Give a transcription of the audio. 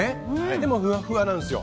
でも、ふわふわなんですよ。